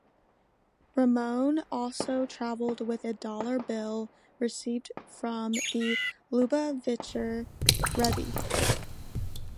Ramon also traveled with a dollar bill received from the Lubavitcher Rebbe.